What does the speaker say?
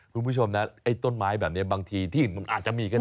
คุณผู้ชมนะไอ้ต้นไม้แบบนี้บางทีที่มันอาจจะมีก็ได้